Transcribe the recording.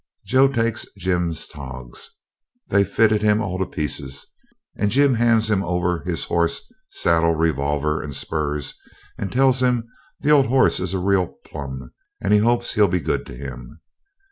Joe takes Jim's togs. They fitted him all to pieces, and Jim hands him over his horse, saddle, revolver, and spurs, and tells him the old horse is a real plum, and he hopes he'll be good to him.